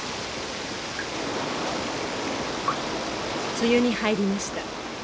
梅雨に入りました。